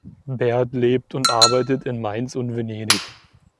Bert lebt und arbeitet in Mainz und Venedig.